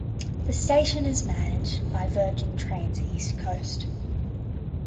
The station is managed by Virgin Trains East Coast.